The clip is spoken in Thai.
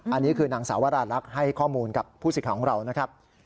อันนี้คือนางสาวราลักษณ์ให้ข้อมูลกับผู้สิทธิ์ของเรานะครับ